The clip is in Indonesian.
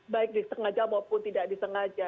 baik disengaja maupun tidak disengaja